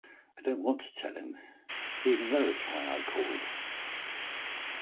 I don't want to tell him, even though it's why I called.